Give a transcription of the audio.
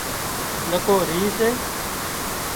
نڪو ريهه سي